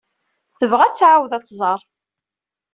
Tebɣa ad tɛawed ad t-tẓer.